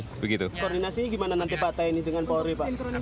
koordinasinya gimana nanti pak tni dengan polri pak